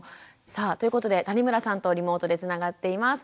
さあということで谷村さんとリモートでつながっています。